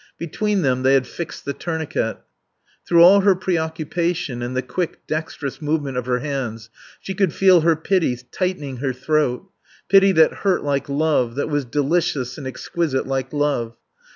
Between them they had fixed the tourniquet. Through all her preoccupation and the quick, dexterous movement of her hands she could feel her pity tightening her throat: pity that hurt like love, that was delicious and exquisite like love.